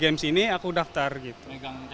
games ini aku daftar gitu